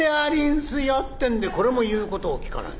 ってんでこれも言うことを聞かない」。